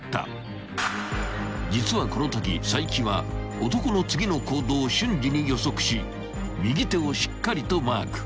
［実はこのとき齋木は男の次の行動を瞬時に予測し右手をしっかりとマーク］